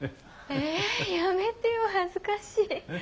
えやめてよ恥ずかしい。